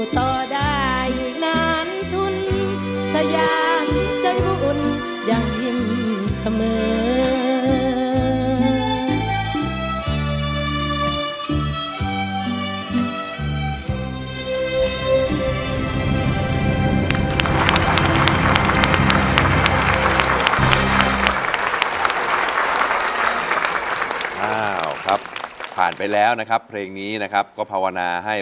ถ้าท่านเค้ารับสิทธิ์ของไทย